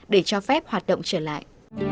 để cho phép hoạt động trở lại